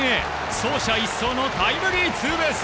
走者一掃のタイムリーツーベース。